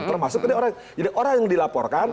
termasuk tadi orang yang dilaporkan